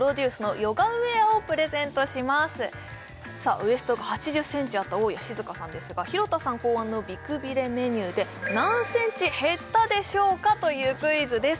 ウエストが８０センチあった大家志津香さんですが廣田さん考案の美くびれメニューで何センチ減ったでしょうかというクイズです